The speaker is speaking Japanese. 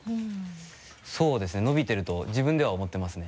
そうですね伸びてると自分では思ってますね。